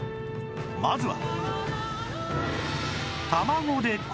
まずは